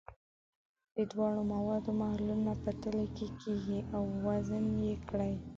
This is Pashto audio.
د دواړو موادو محلولونه په تلې کې کیږدئ او وزن یې کړئ.